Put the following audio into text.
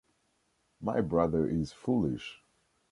My brother is foolish.